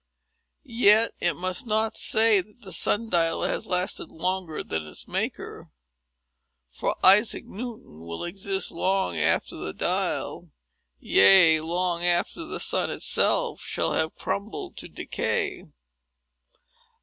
Yet we must not say that the sun dial has lasted longer than its maker; for Isaac Newton will exist, long after the dial—yea, and long after the sun itself—shall have crumbled to decay.